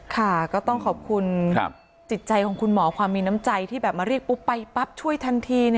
ค่ะก็ต้องขอบคุณจิตใจของคุณหมอความมีน้ำใจที่แบบมาเรียกปุ๊บไปปั๊บช่วยทันที